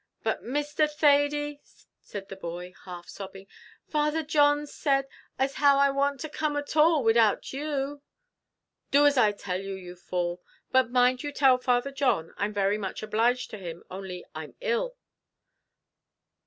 "But, Mr. Thady," said the boy, half sobbing, "Father John said as how I warn't to come at all widout you." "Do as I tell you, you fool; but mind you tell Father John I'm very much obliged to him, only I'm ill."